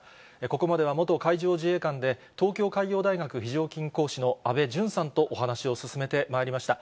ここまでは元海上自衛官で、東京海洋大学非常勤講師の安倍淳さんとお話を進めてまいりました。